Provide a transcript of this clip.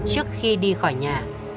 trước khi đi khỏi nhà